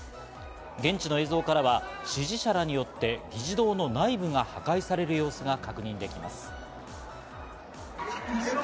現地の映像からは支持者らによって議事堂の内部が破壊される様子が確認できます。